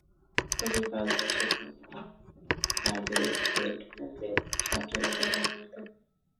তবে পাঁচ বছর পূর্ণ হওয়ার আগেই গেটম্যানদের ছাঁটাই করা হয়ে থাকে।